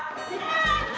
tante apaan ini